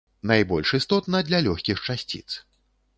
Найбольш істотна для лёгкіх часціц.